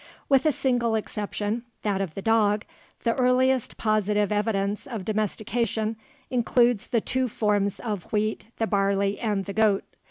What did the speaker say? With a single exception that of the dog the earliest positive evidence of domestication includes the two forms of wheat, the barley, and the goat.